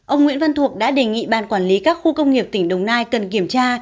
ông nguyễn văn thuộc đã đề nghị ban quản lý các khu công nghiệp tỉnh đồng nai cần kiểm tra